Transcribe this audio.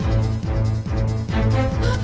あっ！